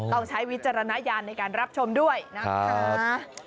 ใช้วิจารณญาณในการรับชมด้วยนะคะ